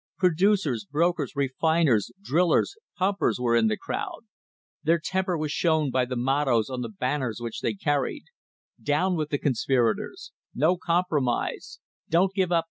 Producers, brokers, refiners, drillers, pumpers were in the crowd. Their temper was shown by the mottoes on the ban ners which they carried: "Down with the conspirators" — "No compromise" — "Don't give up the ship!"